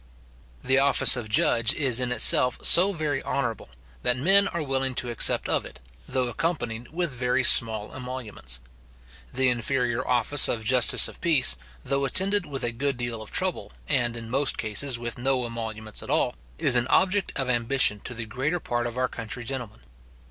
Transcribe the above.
The office of judge is in itself so very honourable, that men are willing to accept of it, though accompanied with very small emoluments. The inferior office of justice of peace, though attended with a good deal of trouble, and in most cases with no emoluments at all, is an object of ambition to the greater part of our country gentlemen.